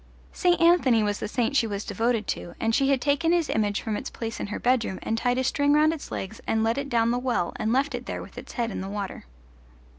St. Anthony was the saint she was devoted to, and she had taken his image from its place in her bedroom and tied a string round its legs and let it down the well and left it there with its head in the water.